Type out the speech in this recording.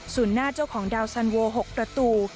สูญหน้าเจ้าของดาวสันวอล๖ประตู